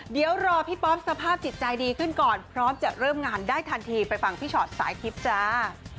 เดี๋ยวรอพี่ป๊อปสภาพจิตใจดีขึ้นก่อนพร้อมจะเริ่มงานได้ทันทีไปฟังพี่ชอตสายทิพย์จ้า